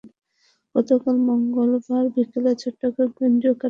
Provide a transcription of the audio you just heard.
গতকাল মঙ্গলবার বিকেলে চট্টগ্রাম কেন্দ্রীয় কারাগার থেকে তাঁরা জামিনে মুক্তি পান।